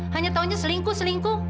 hanya taunya selingkuh selingkuh